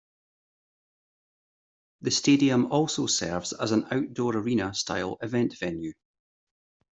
The stadium also serves as an outdoor-arena style event venue.